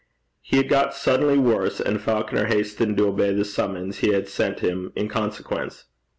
He had got suddenly worse, and Falconer hastened to obey the summons he had sent him in consequence.